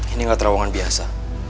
ini gak terowongan biasa